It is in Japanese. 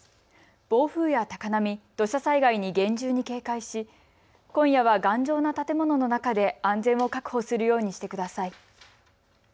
暴風や高波、土砂災害に厳重に警戒し今夜は頑丈な建物の中で安全を確保するようにしてください。